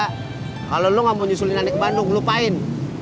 kalau lu nggak mau nyusulin anik ke bandung lupain